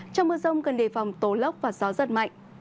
trong mưa rông cần đề phòng tố lốc và gió giật mạnh